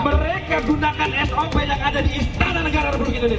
mereka gunakan sop yang ada di istana negara republik indonesia